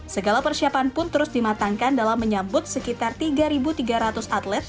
segala persiapan pun terus dimatangkan dalam menyambut sekitar tiga tiga ratus atlet